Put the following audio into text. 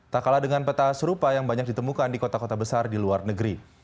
tak kalah dengan peta serupa yang banyak ditemukan di kota kota besar di luar negeri